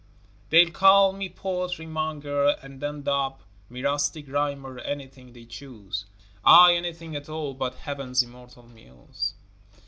They'll call me poetry monger and then dub Me rustic rhymer, anything they choose, Ay, anything at all, but heaven's immortal muse.